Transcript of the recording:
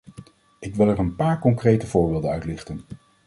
Ik wil er een paar concrete voorbeelden uitlichten.